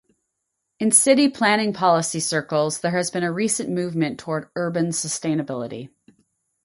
In city planning policy circles, there has been a recent movement toward urban sustainability.